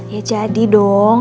ya jadi dong